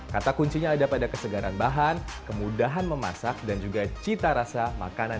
kata kuncinya ada pada kesegaran bahan kemudahan memasak dan juga cita rasa makanan